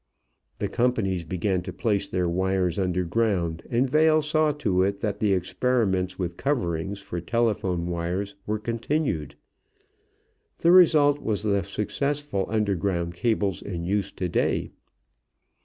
The companies began to place their wires underground, and Vail saw to it that the experiments with coverings for telephone wires were continued. The result was the successful underground cables in use to day.